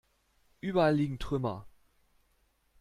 Überall liegen Trümmer.